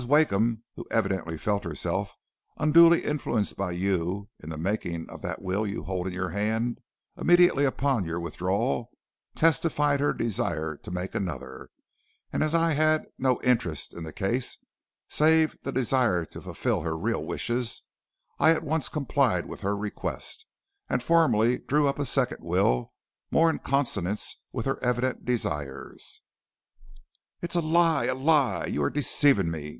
Wakeham, who evidently felt herself unduly influenced by you in the making of that will you hold in your hand, immediately upon your withdrawal testified her desire to make another, and as I had no interest in the case save the desire to fulfil her real wishes, I at once complied with her request, and formally drew up a second will more in consonance with her evident desires.' "'It is a lie, a lie; you are deceiving me!'